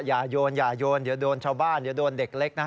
โยนอย่าโยนเดี๋ยวโดนชาวบ้านเดี๋ยวโดนเด็กเล็กนะฮะ